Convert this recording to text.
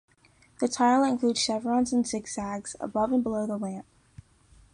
The tile includes chevrons and zigzags above and below the lamp.